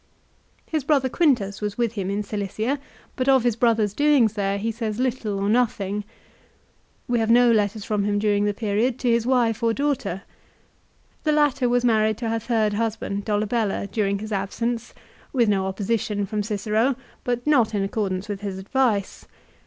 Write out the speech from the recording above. His brother Quintus was with him in Cilicia, but of his brother's doings there he says little or nothing. "We have no letters from him during the period to his wife or daughter. The latter was married to her third husband, Dolabella, during his absence, with no opposition from Cicero, but not in accordance with his advice.